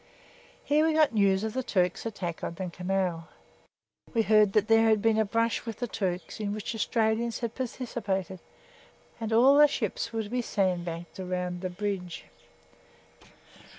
Here we got news of the Turks' attack on the Canal. We heard that there had been a brush with the Turks, in which Australians had participated, and all the ships were to be sandbagged round the bridge.